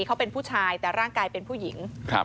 เขาเป็นผู้ชายแต่ร่างกายเป็นผู้หญิงครับ